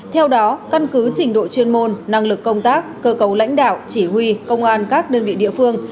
theo đó căn cứ trình độ chuyên môn năng lực công tác cơ cầu lãnh đạo chỉ huy công an các đơn vị địa phương